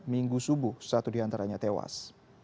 minggu subuh satu diantaranya tewas